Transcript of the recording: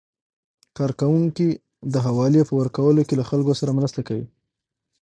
کارکوونکي د حوالې په ورکولو کې له خلکو سره مرسته کوي.